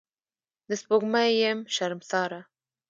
د سپوږمۍ یم شرمساره